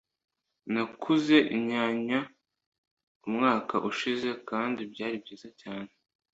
Nakuze inyanya umwaka ushize kandi byari byiza cyane.